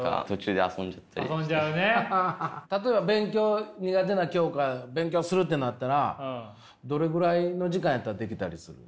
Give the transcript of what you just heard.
例えば勉強苦手な教科勉強するってなったらどれぐらいの時間やったらできたりする？